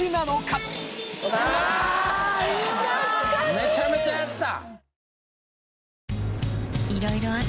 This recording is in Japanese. めちゃめちゃやった！